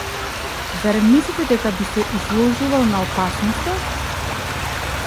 Зарем мислите дека би се изложувал на опасноста?